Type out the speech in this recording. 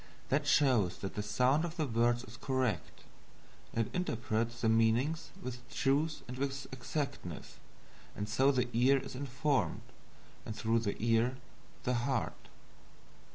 That shows that the SOUND of the words is correct it interprets the meanings with truth and with exactness; and so the ear is informed, and through the ear, the heart.